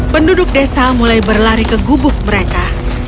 penduduk desa mulai berlari ke gubuk mereka